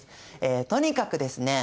とにかくですね